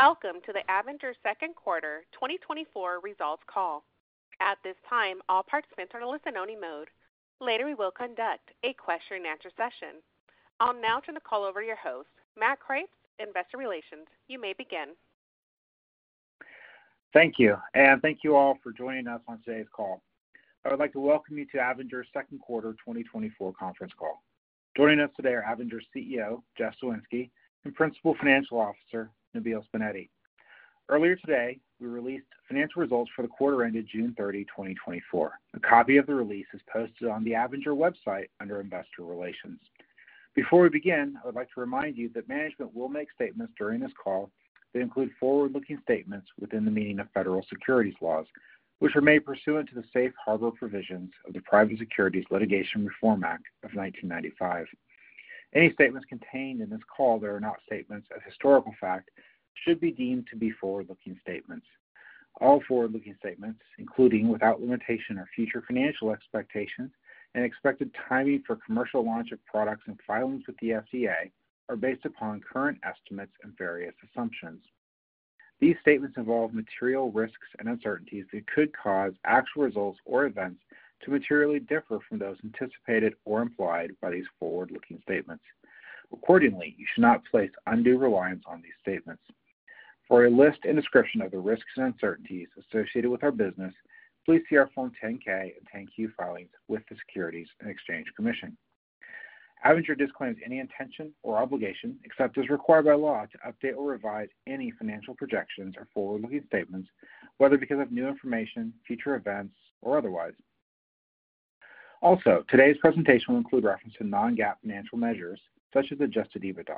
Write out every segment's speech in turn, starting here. Welcome to the Avinger Second Quarter 2024 Results Call. At this time, all participants are in listen-only mode. Later, we will conduct a question-and-answer session. I'll now turn the call over to your host, Matt Kreps, Investor Relations. You may begin. Thank you, and thank you all for joining us on today's call. I would like to welcome you to Avinger's Second Quarter 2024 Conference Call. Joining us today are Avinger's CEO, Jeff Soinski, and Principal Financial Officer, Nabeel Subainati. Earlier today, we released financial results for the quarter ended June 30, 2024. A copy of the release is posted on the Avinger website under Investor Relations. Before we begin, I would like to remind you that management will make statements during this call that include forward-looking statements within the meaning of federal securities laws, which are made pursuant to the Safe Harbor provisions of the Private Securities Litigation Reform Act of 1995. Any statements contained in this call that are not statements of historical fact should be deemed to be forward-looking statements. All forward-looking statements, including without limitation our future financial expectations and expected timing for commercial launch of products and filings with the FDA, are based upon current estimates and various assumptions. These statements involve material risks and uncertainties that could cause actual results or events to materially differ from those anticipated or implied by these forward-looking statements. Accordingly, you should not place undue reliance on these statements. For a list and description of the risks and uncertainties associated with our business, please see our Form 10-K and 10-Q filings with the U.S. Securities and Exchange Commission. Avinger disclaims any intention or obligation, except as required by law, to update or revise any financial projections or forward-looking statements, whether because of new information, future events, or otherwise. Also, today's presentation will include reference to non-GAAP financial measures, such as Adjusted EBITDA.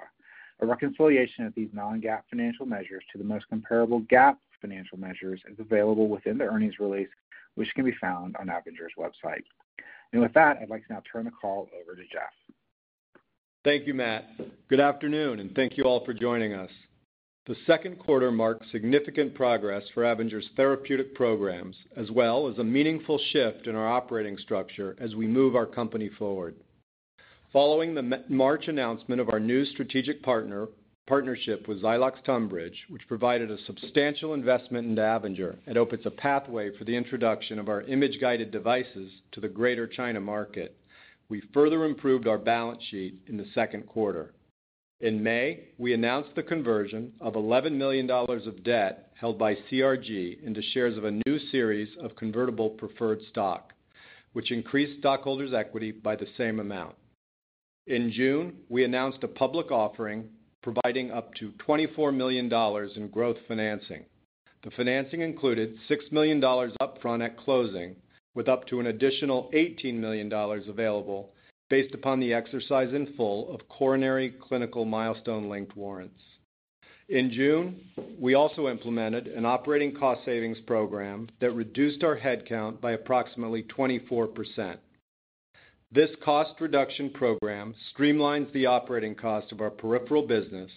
A reconciliation of these non-GAAP financial measures to the most comparable GAAP financial measures is available within the earnings release, which can be found on Avinger's website. With that, I'd like to now turn the call over to Jeff. Thank you, Matt. Good afternoon, and thank you all for Lightjoining us. The second quarter marked significant progress for Avinger's therapeutic programs, as well as a meaningful shift in our operating structure as we move our company forward. Following the March announcement of our new strategic partnership with Zylox-Tonbridge, which provided a substantial investment into Avinger and opens a pathway for the introduction of our image-guided devices to the Greater China market, we further improved our balance sheet in the second quarter. In May, we announced the conversion of $11 million of debt held by CRG into shares of a new series of convertible preferred stock, which increased stockholders' equity by the same amount. In June, we announced a public offering providing up to $24 million in growth financing. The financing included $6 million upfront at closing, with up to an additional $18 million available based upon the exercise in full of coronary clinical milestone-linked warrants. In June, we also implemented an operating cost savings program that reduced our headcount by approximately 24%. This cost reduction program streamlines the operating cost of our peripheral business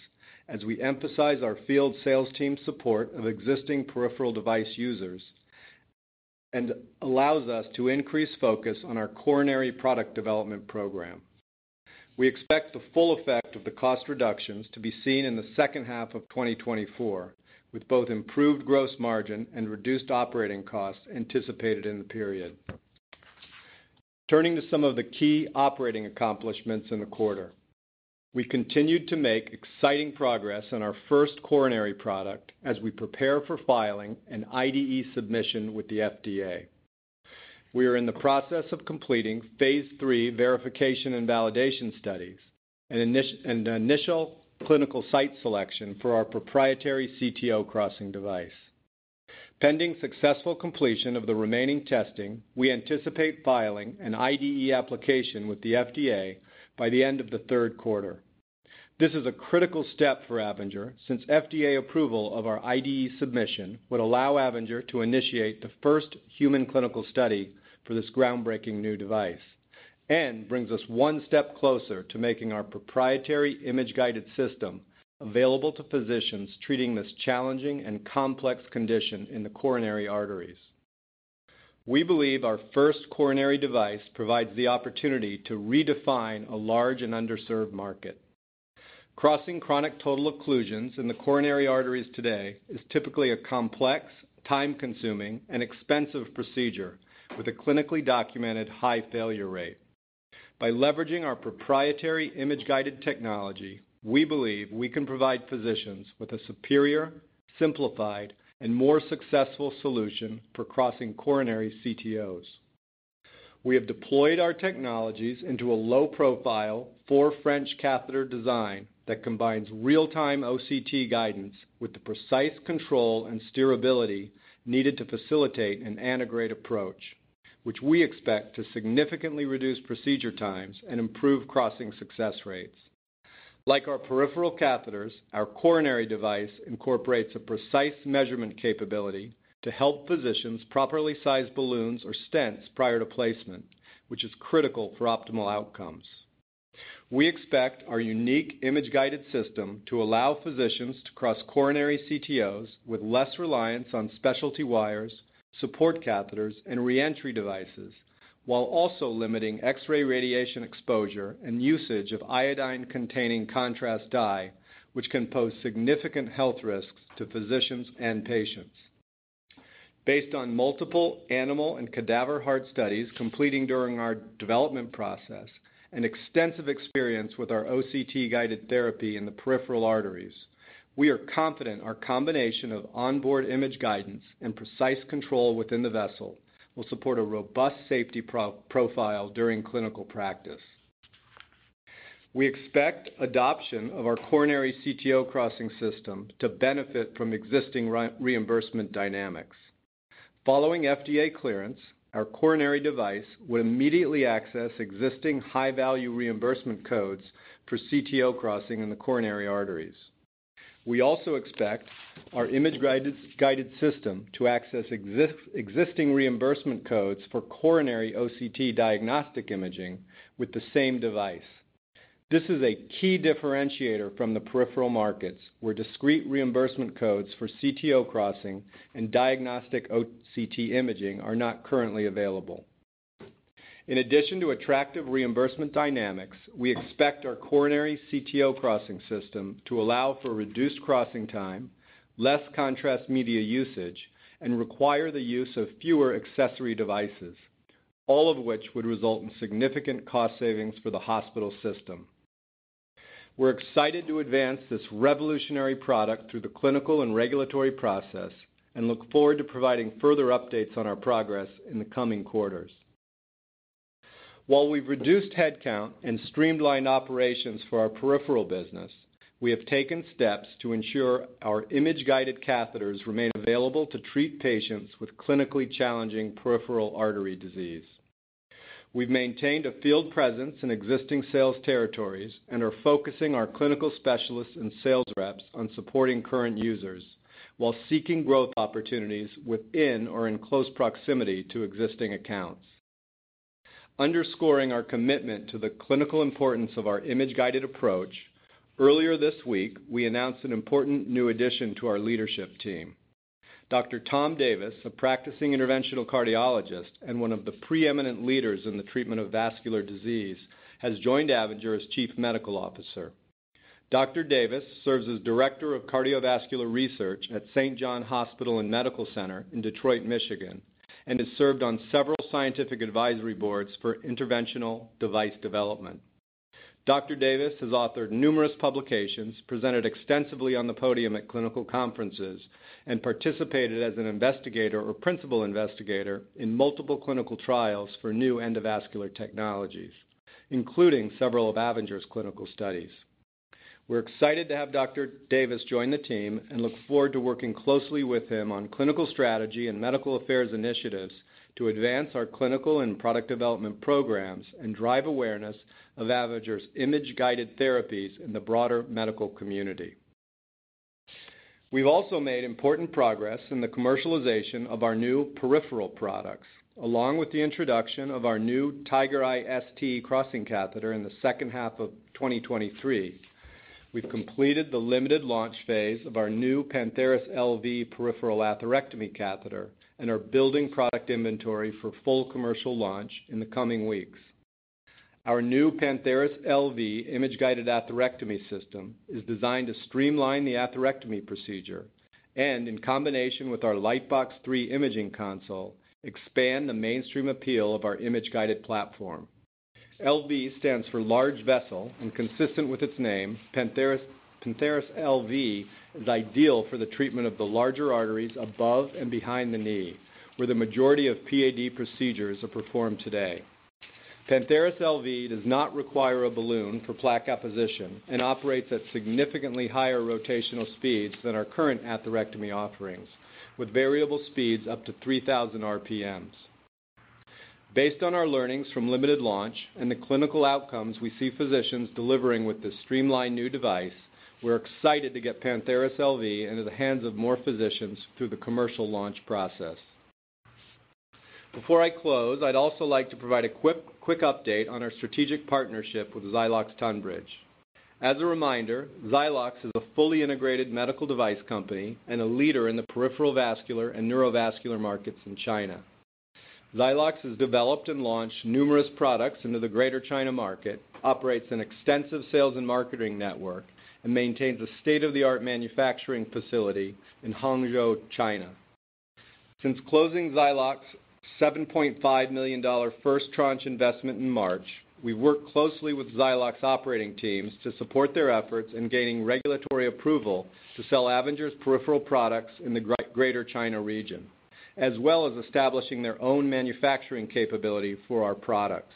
as we emphasize our field sales team support of existing peripheral device users, and allows us to increase focus on our coronary product development program. We expect the full effect of the cost reductions to be seen in the second half of 2024, with both improved gross margin and reduced operating costs anticipated in the period. Turning to some of the key operating accomplishments in the quarter. We continued to make exciting progress on our first coronary product as we prepare for filing an IDE submission with the FDA. We are in the process of completing phase three verification and validation studies and initial clinical site selection for our proprietary CTO crossing device. Pending successful completion of the remaining testing, we anticipate filing an IDE application with the FDA by the end of the third quarter. This is a critical step for Avinger, since FDA approval of our IDE submission would allow Avinger to initiate the first human clinical study for this groundbreaking new device, and brings us one step closer to making our proprietary image-guided system available to physicians treating this challenging and complex condition in the coronary arteries. We believe our first coronary device provides the opportunity to redefine a large and underserved market. Crossing chronic total occlusions in the coronary arteries today is typically a complex, time-consuming, and expensive procedure with a clinically documented high failure rate. By leveraging our proprietary image-guided technology, we believe we can provide physicians with a superior, simplified, and more successful solution for crossing coronary CTOs. We have deployed our technologies into a low-profile 4 French catheter design that combines real-time OCT guidance with the precise control and steerability needed to facilitate an antegrade approach, which we expect to significantly reduce procedure times and improve crossing success rates. Like our peripheral catheters, our coronary device incorporates a precise measurement capability to help physicians properly size balloons or stents prior to placement, which is critical for optimal outcomes. We expect our unique image-guided system to allow physicians to cross coronary CTOs with less reliance on specialty wires, support catheters, and re-entry devices... while also limiting X-ray radiation exposure and usage of iodine-containing contrast dye, which can pose significant health risks to physicians and patients. Based on multiple animal and cadaver heart studies completing during our development process and extensive experience with our OCT-guided therapy in the peripheral arteries, we are confident our combination of onboard image guidance and precise control within the vessel will support a robust safety profile during clinical practice. We expect adoption of our coronary CTO crossing system to benefit from existing reimbursement dynamics. Following FDA clearance, our coronary device would immediately access existing high-value reimbursement codes for CTO crossing in the coronary arteries. We also expect our image-guided system to access existing reimbursement codes for coronary OCT diagnostic imaging with the same device. This is a key differentiator from the peripheral markets, where discrete reimbursement codes for CTO crossing and diagnostic OCT imaging are not currently available. In addition to attractive reimbursement dynamics, we expect our coronary CTO crossing system to allow for reduced crossing time, less contrast media usage, and require the use of fewer accessory devices, all of which would result in significant cost savings for the hospital system. We're excited to advance this revolutionary product through the clinical and regulatory process and look forward to providing further updates on our progress in the coming quarters. While we've reduced headcount and streamlined operations for our peripheral business, we have taken steps to ensure our image-guided catheters remain available to treat patients with clinically challenging peripheral artery disease. We've maintained a field presence in existing sales territories and are focusing our clinical specialists and sales reps on supporting current users while seeking growth opportunities within or in close proximity to existing accounts. Underscoring our commitment to the clinical importance of our image-guided approach, earlier this week, we announced an important new addition to our leadership team. Dr. Tom Davis, a practicing interventional cardiologist and one of the preeminent leaders in the treatment of vascular disease, has joined Avinger as Chief Medical Officer. Dr. Davis serves as Director of Cardiovascular Research at Ascension St. John Hospital in Detroit, Michigan, and has served on several scientific advisory boards for interventional device development. Dr. Davis has authored numerous publications, presented extensively on the podium at clinical conferences, and participated as an investigator or principal investigator in multiple clinical trials for new endovascular technologies, including several of Avinger's clinical studies. We're excited to have Dr. Davis joins the team and look forward to working closely with him on clinical strategy and medical affairs initiatives to advance our clinical and product development programs and drive awareness of Avinger's image-guided therapies in the broader medical community. We've also made important progress in the commercialization of our new peripheral products. Along with the introduction of our new Tigereye ST crossing catheter in the second half of 2023, we've completed the limited launch phase of our new Pantheris LV peripheral atherectomy catheter and are building product inventory for full commercial launch in the coming weeks. Our new Pantheris LV image-guided atherectomy system is designed to streamline the atherectomy procedure and, in combination with our Lightbox 3 imaging console, expand the mainstream appeal of our image-guided platform. LV stands for large vessel, and consistent with its name, Pantheris, Pantheris LV is ideal for the treatment of the larger arteries above and behind the knee, where the majority of PAD procedures are performed today. Pantheris LV does not require a balloon for plaque apposition and operates at significantly higher rotational speeds than our current atherectomy offerings, with variable speeds up to 3,000 RPMs. Based on our learnings from limited launch and the clinical outcomes we see physicians delivering with this streamlined new device, we're excited to get Pantheris LV into the hands of more physicians through the commercial launch process. Before I close, I'd also like to provide a quick, quick update on our strategic partnership with Zylox-Tonbridge. As a reminder, Zylox-Tonbridge is a fully integrated medical device company and a leader in the peripheral vascular and neurovascular markets in China. Zylox has developed and launched numerous products into the Greater China market, operates an extensive sales and marketing network, and maintains a state-of-the-art manufacturing facility in Hangzhou, China. Since closing Zylox's $7.5 million first tranche investment in March, we've worked closely with Zylox's operating teams to support their efforts in gaining regulatory approval to sell Avinger's peripheral products in the Greater China region, as well as establishing their own manufacturing capability for our products.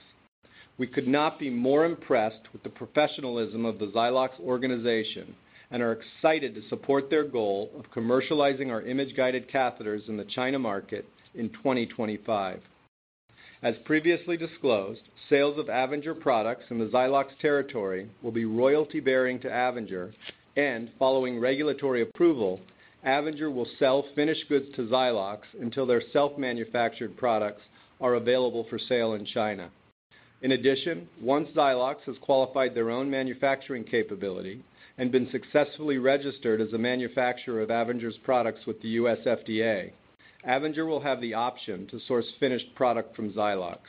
We could not be more impressed with the professionalism of the Zylox organization and are excited to support their goal of commercializing our image-guided catheters in the China market in 2025. As previously disclosed, sales of Avinger products in the Zylox territory will be royalty-bearing to Avinger, and following regulatory approval, Avinger will sell finished goods to Zylox until their self-manufactured products are available for sale in China.... In addition, once Zylox has qualified their own manufacturing capability and been successfully registered as a manufacturer of Avinger's products with the U.S. FDA, Avinger will have the option to source finished product from Zylox.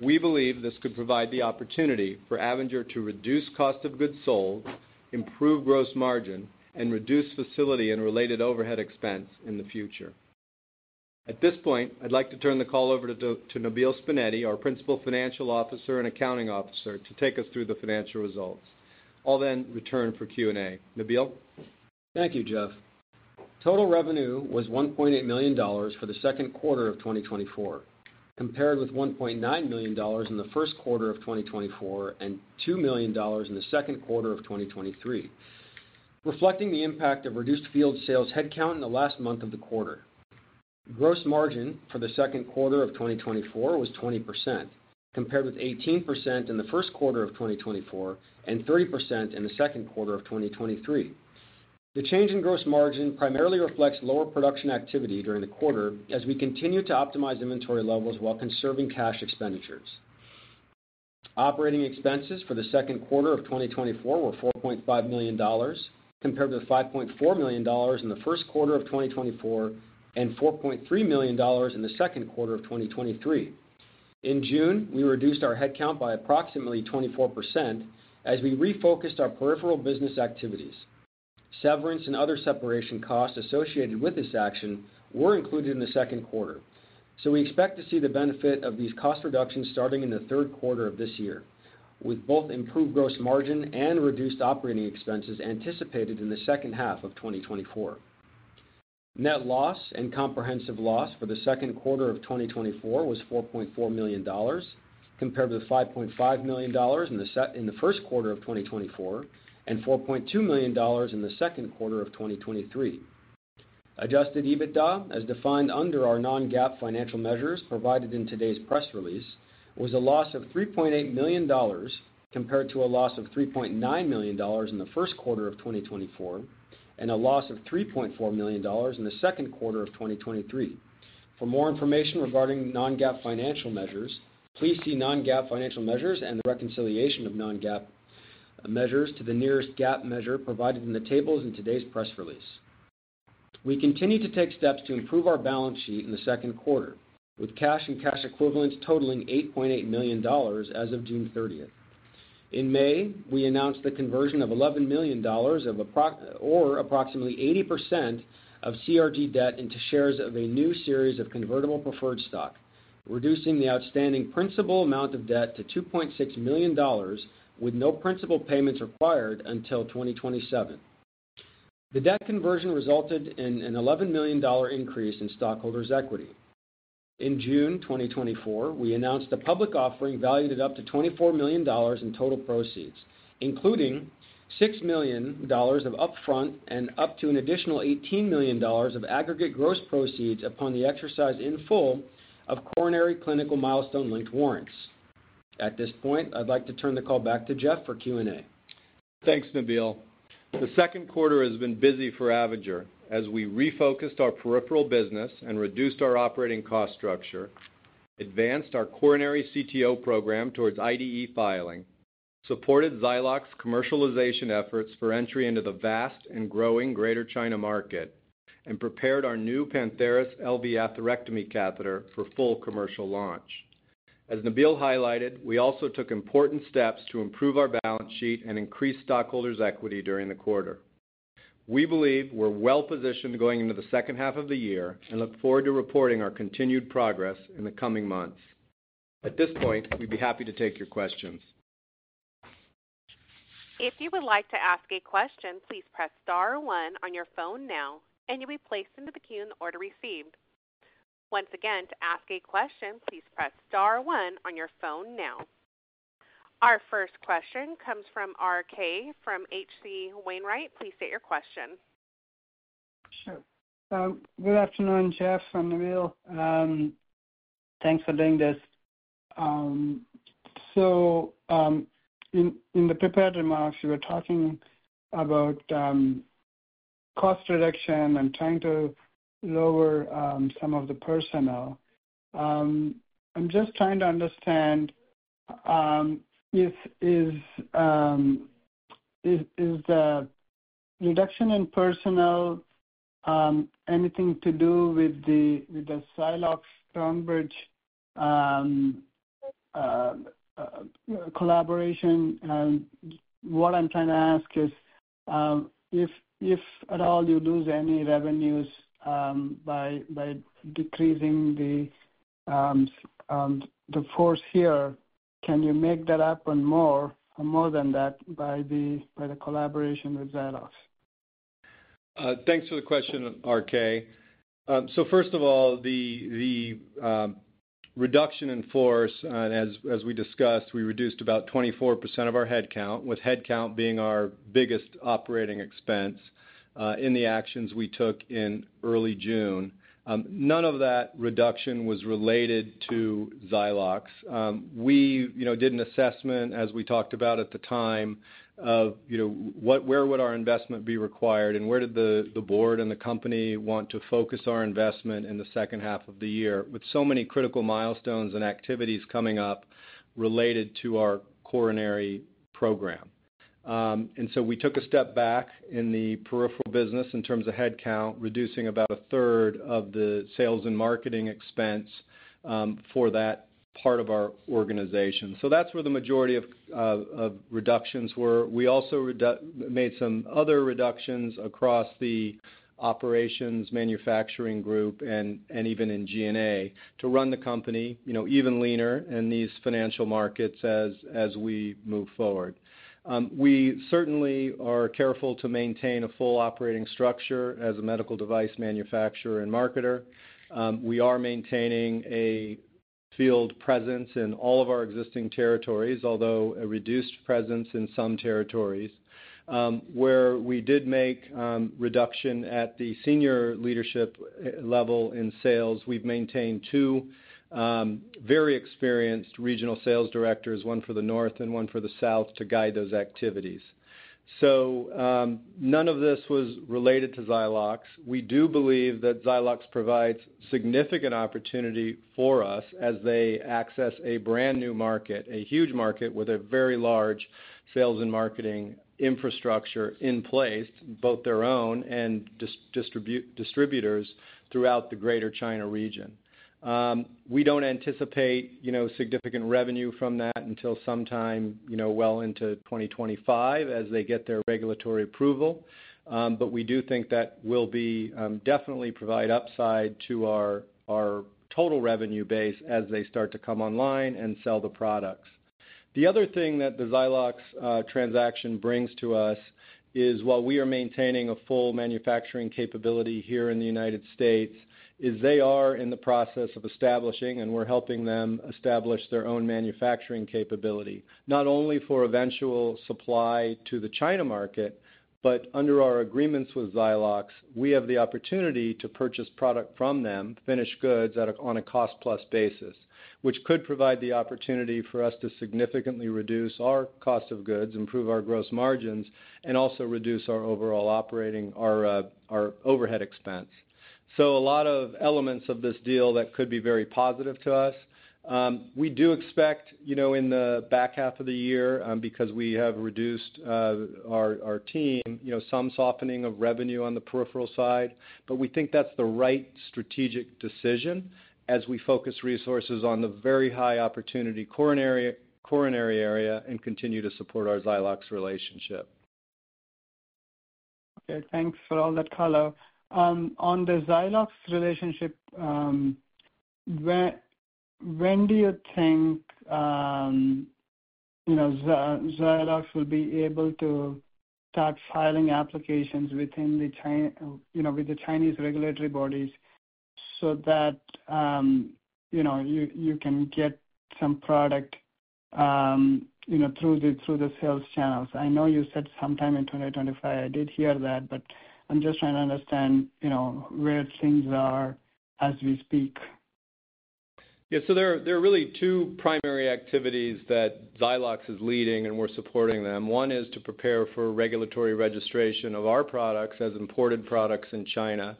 We believe this could provide the opportunity for Avinger to reduce cost of goods sold, improve gross margin, and reduce facility and related overhead expense in the future. At this point, I'd like to turn the call over to Nabeel Subainati, our Principal Financial Officer and Accounting Officer, to take us through the financial results. I'll then return for Q&A. Nabeel? Thank you, Jeff. Total revenue was $1.8 million for the second quarter of 2024, compared with $1.9 million in the first quarter of 2024, and $2 million in the second quarter of 2023, reflecting the impact of reduced field sales headcount in the last month of the quarter. Gross margin for the second quarter of 2024 was 20%, compared with 18% in the first quarter of 2024, and 30% in the second quarter of 2023. The change in gross margin primarily reflects lower production activity during the quarter as we continue to optimize inventory levels while conserving cash expenditures. Operating expenses for the second quarter of 2024 were $4.5 million, compared with $5.4 million in the first quarter of 2024, and $4.3 million in the second quarter of 2023. In June, we reduced our headcount by approximately 24% as we refocused our peripheral business activities. Severance and other separation costs associated with this action were included in the second quarter, so we expect to see the benefit of these cost reductions starting in the third quarter of this year, with both improved gross margin and reduced operating expenses anticipated in the second half of 2024. Net loss and comprehensive loss for the second quarter of 2024 was $4.4 million, compared with $5.5 million in the first quarter of 2024, and $4.2 million in the second quarter of 2023. Adjusted EBITDA, as defined under our non-GAAP financial measures provided in today's press release, was a loss of $3.8 million, compared to a loss of $3.9 million in the first quarter of 2024, and a loss of $3.4 million in the second quarter of 2023. For more information regarding non-GAAP financial measures, please see non-GAAP financial measures and the reconciliation of non-GAAP measures to the nearest GAAP measure provided in the tables in today's press release. We continue to take steps to improve our balance sheet in the second quarter, with cash and cash equivalents totaling $8.8 million as of June 30. In May, we announced the conversion of $11 million or approximately 80% of CRG debt into shares of a new series of convertible preferred stock, reducing the outstanding principal amount of debt to $2.6 million, with no principal payments required until 2027. The debt conversion resulted in an $11 million increase in stockholders' equity. In June 2024, we announced a public offering valued at up to $24 million in total proceeds, including $6 million of upfront and up to an additional $18 million of aggregate gross proceeds upon the exercise in full of coronary clinical milestone-linked warrants. At this point, I'd like to turn the call back to Jeff for Q&A. Thanks, Nabeel. The second quarter has been busy for Avinger as we refocused our peripheral business and reduced our operating cost structure, advanced our coronary CTO program towards IDE filing, supported Zylox commercialization efforts for entry into the vast and growing Greater China market, and prepared our new Pantheris LV atherectomy catheter for full commercial launch. As Nabeel highlighted, we also took important steps to improve our balance sheet and increase stockholders' equity during the quarter. We believe we're well positioned going into the second half of the year and look forward to reporting our continued progress in the coming months. At this point, we'd be happy to take your questions. If you would like to ask a question, please press star one on your phone now, and you'll be placed into the queue in the order received. Once again, to ask a question, please press star one on your phone now. Our first question comes from RK from H.C. Wainwright. Please state your question. Sure. Good afternoon, Jeff and Nabeel. Thanks for doing this. So, in the prepared remarks, you were talking about cost reduction and trying to lower some of the personnel. I'm just trying to understand if the reduction in personnel is anything to do with the Zylox-Tonbridge collaboration? And what I'm trying to ask is, if at all you lose any revenues by decreasing the force here, can you make that up and more, and more than that by the collaboration with Zylox? Thanks for the question, RK. So first of all, the reduction in force, and as we discussed, we reduced about 24% of our headcount, with headcount being our biggest operating expense, in the actions we took in early June. None of that reduction was related to Zylox. We, you know, did an assessment, as we talked about at the time, of, you know, what, where would our investment be required, and where did the board and the company want to focus our investment in the second half of the year, with so many critical milestones and activities coming up related to our coronary program. And so we took a step back in the peripheral business in terms of headcount, reducing about a third of the sales and marketing expense, for that part of our organization. So that's where the majority of reductions were. We also made some other reductions across the operations manufacturing group and even in G&A, to run the company, you know, even leaner in these financial markets as we move forward. We certainly are careful to maintain a full operating structure as a medical device manufacturer and marketer. We are maintaining a field presence in all of our existing territories, although a reduced presence in some territories. Where we did make reduction at the senior leadership level in sales, we've maintained two very experienced regional sales directors, one for the north and one for the south, to guide those activities. So, none of this was related to Zylox. We do believe that Zylox provides significant opportunity for us as they access a brand-new market, a huge market, with a very large sales and marketing infrastructure in place, both their own and distributors throughout the Greater China region. We don't anticipate, you know, significant revenue from that until sometime, you know, well into 2025 as they get their regulatory approval. But we do think that will be definitely provide upside to our total revenue base as they start to come online and sell the products. The other thing that the Zylox transaction brings to us is, while we are maintaining a full manufacturing capability here in the United States, they are in the process of establishing, and we're helping them establish their own manufacturing capability, not only for eventual supply to the China market, but under our agreements with Zylox, we have the opportunity to purchase product from them, finished goods, on a cost-plus basis, which could provide the opportunity for us to significantly reduce our cost of goods, improve our gross margins, and also reduce our overall operating, our overhead expense. So a lot of elements of this deal that could be very positive to us. We do expect, you know, in the back half of the year, because we have reduced our team, you know, some softening of revenue on the peripheral side. We think that's the right strategic decision as we focus resources on the very high opportunity coronary, coronary area and continue to support our Zylox relationship. Okay, thanks for all that color. On the Zylox relationship, when do you think, you know, Zylox will be able to start filing applications within the Chinese regulatory bodies so that, you know, you can get some product, you know, through the sales channels? I know you said sometime in 2025. I did hear that, but I'm just trying to understand, you know, where things are as we speak. Yeah, so there are really two primary activities that Zylox is leading, and we're supporting them. One is to prepare for regulatory registration of our products as imported products in China.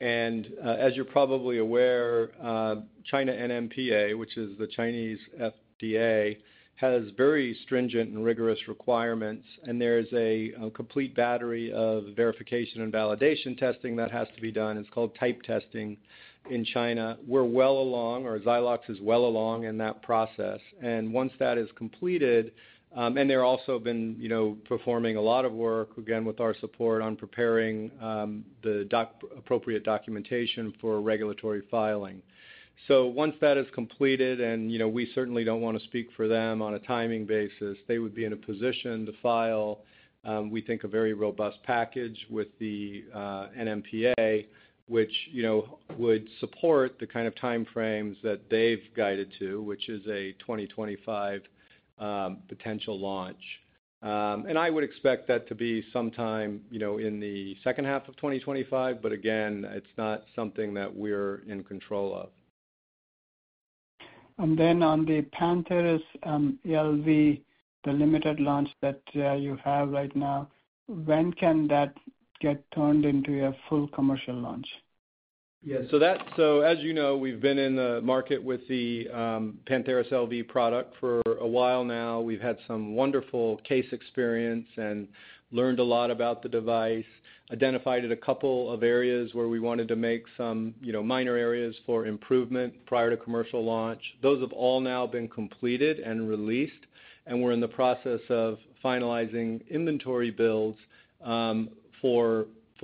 And, as you're probably aware, China NMPA, which is the Chinese FDA, has very stringent and rigorous requirements, and there is a complete battery of verification and validation testing that has to be done. It's called type testing in China. We're well along, or Zylox is well along in that process, and once that is completed... And they're also been, you know, performing a lot of work, again, with our support on preparing the appropriate documentation for regulatory filing. So once that is completed, and, you know, we certainly don't want to speak for them on a timing basis, they would be in a position to file, we think, a very robust package with the, NMPA, which, you know, would support the kind of time frames that they've guided to, which is a 2025 potential launch. And I would expect that to be sometime, you know, in the second half of 2025, but again, it's not something that we're in control of. Then on the Pantheris LV, the limited launch that you have right now, when can that get turned into a full commercial launch? Yeah, so as you know, we've been in the market with the Pantheris LV product for a while now. We've had some wonderful case experience and learned a lot about the device, identified a couple of areas where we wanted to make some, you know, minor areas for improvement prior to commercial launch. Those have all now been completed and released, and we're in the process of finalizing inventory builds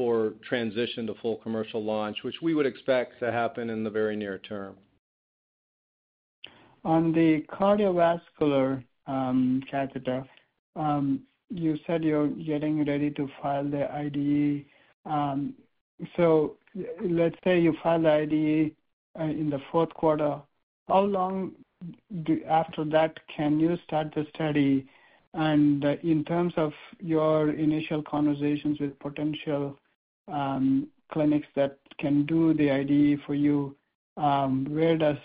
for transition to full commercial launch, which we would expect to happen in the very near term. On the cardiovascular catheter, you said you're getting ready to file the IDE. So let's say you file the IDE in the fourth quarter. How long after that can you start the study? And in terms of your initial conversations with potential clinics that can do the IDE for you, where do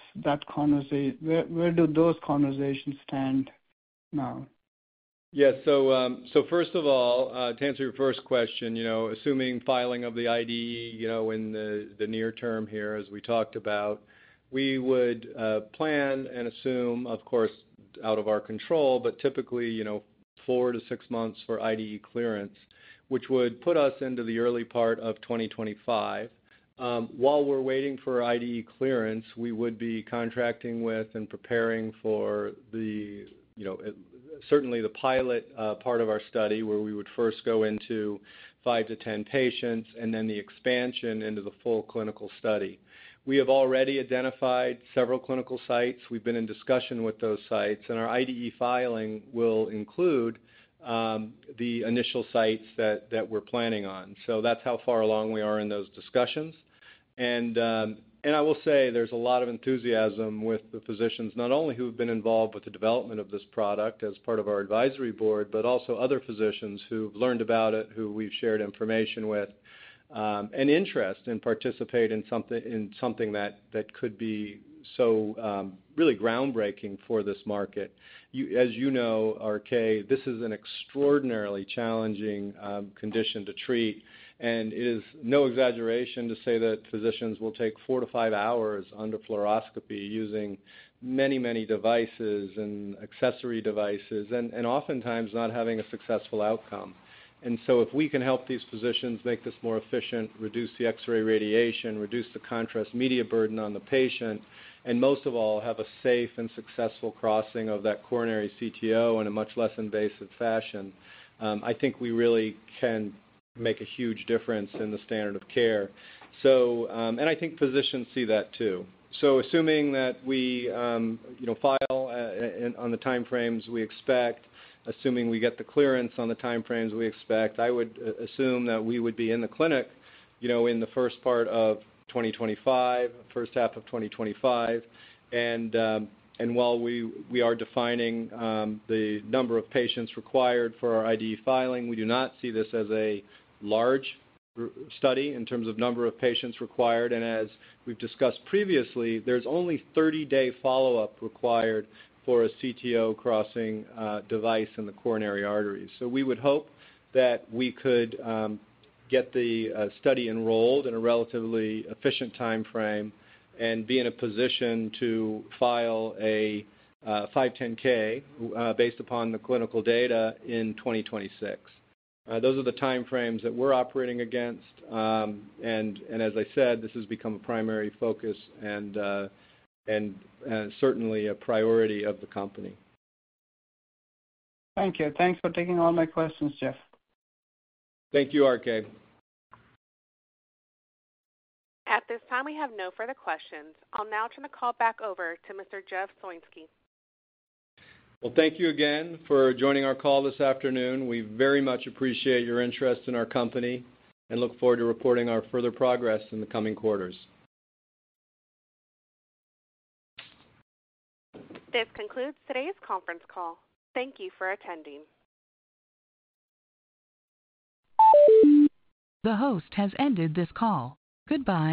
those conversations stand now? Yeah. So, so first of all, to answer your first question, you know, assuming filing of the IDE, you know, in the, the near term here, as we talked about, we would, plan and assume, out of our control, but typically, you know, 4-6 months for IDE clearance, which would put us into the early part of 2025. While we're waiting for IDE clearance, we would be contracting with and preparing for the, you know, certainly the pilot, part of our study, where we would first go into 5-10 patients, and then the expansion into the full clinical study. We have already identified several clinical sites. We've been in discussion with those sites, and our IDE filing will include, the initial sites that, that we're planning on. So that's how far along we are in those discussions. And I will say there's a lot of enthusiasm with the physicians, not only who've been involved with the development of this product as part of our advisory board, but also other physicians who've learned about it, who we've shared information with, and interest in participating in something that could be so really groundbreaking for this market. As you know, RK, this is an extraordinarily challenging condition to treat, and it is no exaggeration to say that physicians will take 4-5 hours under fluoroscopy using many, many devices and accessory devices, and oftentimes not having a successful outcome. And so if we can help these physicians make this more efficient, reduce the X-ray radiation, reduce the contrast media burden on the patient, and most of all, have a safe and successful crossing of that coronary CTO in a much less invasive fashion, I think we really can make a huge difference in the standard of care. So, and I think physicians see that, too. So assuming that we, you know, file, on the timeframes we expect, assuming we get the clearance on the timeframes we expect, I would assume that we would be in the clinic, you know, in the first part of 2025, first half of 2025. While we are defining the number of patients required for our IDE filing, we do not see this as a large study in terms of number of patients required, and as we've discussed previously, there's only 30-day follow-up required for a CTO crossing device in the coronary artery. So we would hope that we could get the study enrolled in a relatively efficient timeframe and be in a position to file a 510(k) based upon the clinical data in 2026. Those are the timeframes that we're operating against. And as I said, this has become a primary focus and certainly a priority of the company. Thank you. Thanks for taking all my questions, Jeff. Thank you, RK. At this time, we have no further questions. I'll now turn the call back over to Mr. Jeff Soinski. Well, thank you again for joining our call this afternoon. We very much appreciate your interest in our company and look forward to reporting our further progress in the coming quarters. This concludes today's conference call. Thank you for attending. The host has ended this call. Goodbye.